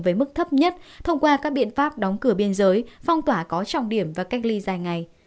với mức thấp nhất thông qua các biện pháp đóng cửa biên giới phong tỏa có trọng điểm và cách ly dài ngày